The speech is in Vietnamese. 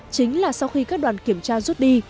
chính là sau khi các đoàn kiểm tra rút đi